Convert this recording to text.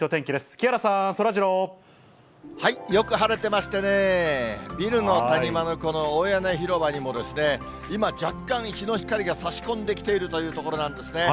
木原さん、そらジロー。よく晴れてましてね、ビルの谷間のこの大屋根広場にもですね、今、若干日の光がさし込んできているというところなんですね。